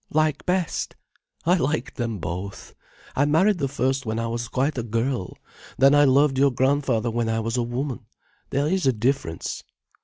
"Like best." "I liked them both. I married the first when I was quite a girl. Then I loved your grandfather when I was a woman. There is a difference."